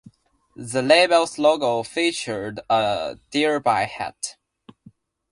The label's logo featured a Derby hat.